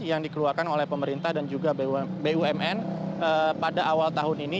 yang dikeluarkan oleh pemerintah dan juga bumn pada awal tahun ini